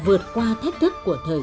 đã vượt qua thách thức của thời gian